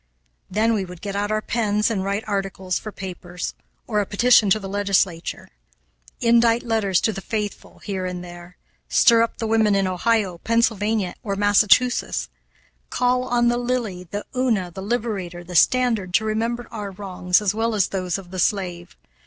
Then we would get out our pens and write articles for papers, or a petition to the legislature; indite letters to the faithful, here and there; stir up the women in Ohio, Pennsylvania, or Massachusetts; call on The Lily, The Una, The Liberator, The Standard to remember our wrongs as well as those of the slave.